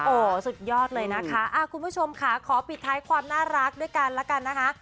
โอ้โหสุดยอดเลยนะคะคุณผู้ชมค่ะขอปิดท้ายความน่ารักด้วยกันแล้วกันนะคะ